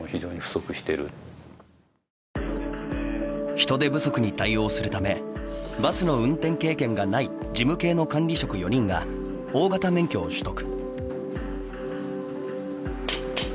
人手不足に対応するためバスの運転経験がない事務系の管理職４人が大型免許を取得。